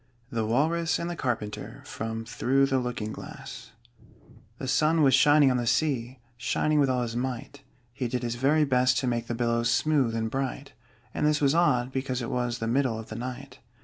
THE WALRUS AND THE CARPENTER From 'Through the Looking Glass' The sun was shining on the sea, Shining with all his might: He did his very best to make The billows smooth and bright And this was odd, because it was The middle of the night.